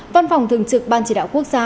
văn phòng thường trực ban chỉ đạo quốc gia